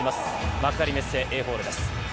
幕張メッセＡホールです。